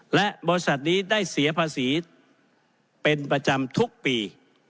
และบริษัทนี้ได้เสียภาษีเป็นประจำทุกปี